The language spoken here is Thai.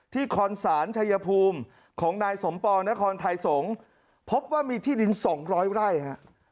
ที่คอนศาลชายภูมิของนายสมปองและคอนไทยสงฆ์พบว่ามีที่ดินสองร้อยไร่ฮะ